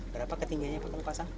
berapa ketinggiannya kalau pasang